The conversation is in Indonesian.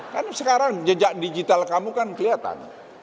karena sekarang jejak digital kamu kan kelihatan